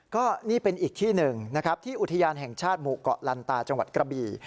ก็นี่เป็นอีกที่หนึ่งนะครับที่อุทยานแห่งชาติหมู่เกาะลันตาจังหวัดกระบี่